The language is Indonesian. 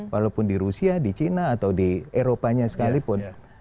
walaupun di rusia di china atau di eropanya sekalipun